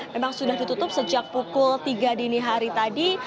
memang sudah ditutup sejak pukul tiga dini hari tadi